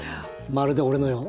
まるで俺のよう。